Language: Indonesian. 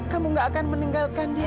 kamu nggak akan meninggalkan dia kan